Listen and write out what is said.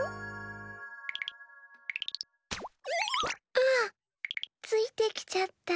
あっついてきちゃった。